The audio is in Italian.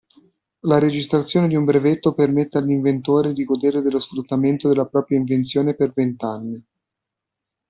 La registrazione di un brevetto permette all'inventore di godere dello sfruttamento della propria invenzione per vent'anni.